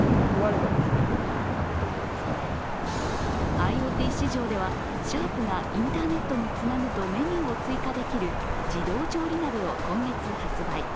ＩｏＴ市場では、シャープがインターネットにつなぐとメニューを追加できる自動調理鍋を今月発売。